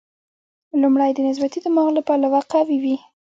لومړی د نسبتي دماغ له پلوه قوي وي.